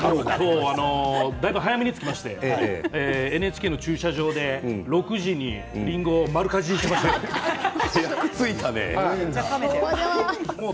だいぶ早めに着きましてＮＨＫの駐車場で６時に、りんごを早く着いたね。